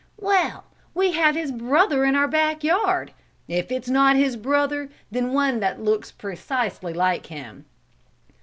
"Well, we have his brother in our back yard. If not his brother, then one that looks precisely like him."